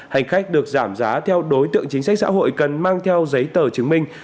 hành khách được giảm giá theo đối tượng chính sách xã hội cần mang theo giấy tờ chứng minh